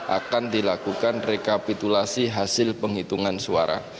akan dilakukan rekapitulasi hasil penghitungan suara